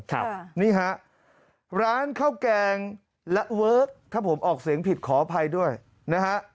ครับนี่ฮะร้านข้าวแกงและเวิร์คถ้าผมออกเสียงผิดขออภัยด้วยนะฮะ